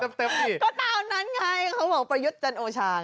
ก็ตามนั้นไงเขาบอกประยุทธ์จันโอชา